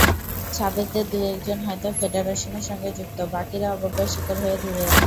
সাবেকদের দু-একজন হয়তো ফেডারেশনের সঙ্গে যুক্ত, বাকিরা অবজ্ঞার শিকার হয়ে দূরে।